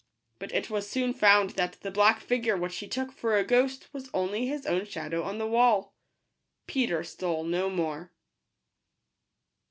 But it was soon found that the black figure which he took for a ghost was only his own shadow on the wall. Peter stole no more.